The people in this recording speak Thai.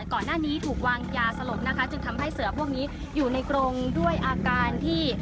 ก่อนหน้านี้ถูกวางยาสลดนะคะจึงทำให้เสือพวกนี้อยู่ในกรงด้วยอาการที่